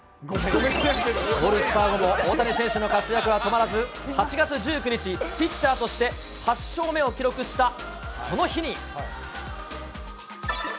オールスター後も大谷選手の活躍は止まらず、８月１９日、ピッチャーとして８勝目を記録したその日に。